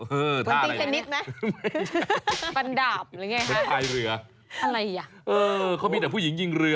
เออถ้าอะไรอย่างนี้